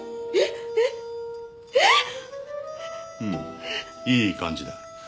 うんいい感じだ。